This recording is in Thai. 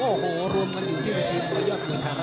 โอ้โหรวมกันอยู่ที่ประเภทมวยธาระตุ้งสิ้น